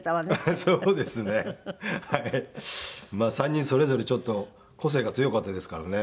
３人それぞれちょっと個性が強かったですからね。